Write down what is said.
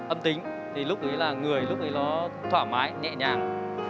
âm tính thì lúc đấy là người lúc đấy nó thoải mái nhẹ nhàng